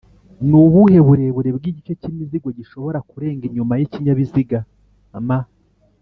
Nubuhe burebure bw’igice cy’imizigo gishobora kurenga inyuma y’ikinyabiziga? m